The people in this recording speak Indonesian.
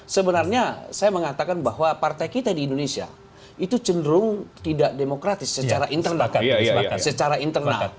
sebenarnya saya mengatakan bahwa partai kita di indonesia itu cenderung tidak demokratis secara internal